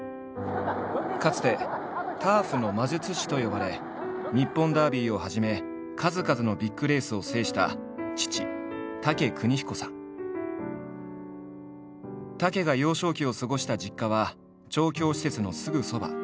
かつて「ターフの魔術師」と呼ばれ日本ダービーをはじめ数々のビッグレースを制した武が幼少期を過ごした実家は調教施設のすぐ側。